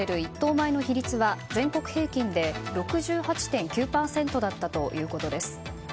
米の比率は全国平均で６８．９％だったということです。